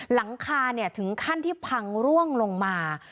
หลังคาถึงขั้นที่พังร่วงลงมา